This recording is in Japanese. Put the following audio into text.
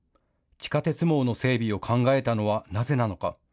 地下鉄網の整備を考えたのはなぜなのか。